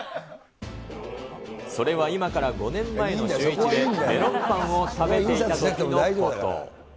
それは今から５年前のシューイチで、メロンパンを食べていたときのこと。